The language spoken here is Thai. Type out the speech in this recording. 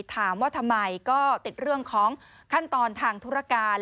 ถามว่าทำไมก็ติดเรื่องของขั้นตอนทางธุรการ